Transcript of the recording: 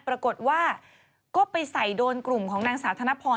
ปรากฏว่าก็ไปใส่โดนกลุ่มของนางสาวธนพร